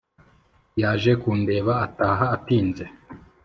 yaje kundeba ataha atinze